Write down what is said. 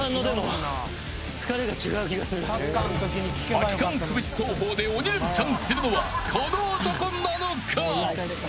空き缶つぶし走法で鬼レンチャンするのはこの男なのか。